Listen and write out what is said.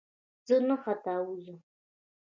زه نه ختاوزم !